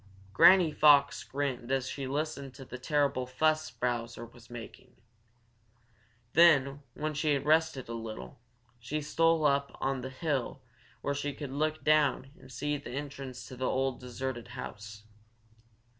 Granny Fox grinned as she listened to the terrible fuss Bowser was making. Then, when she had rested a little, she stole up on the hill where she could look down and see the entrance to the old deserted house.